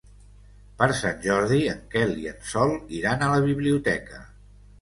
Per Sant Jordi en Quel i en Sol iran a la biblioteca.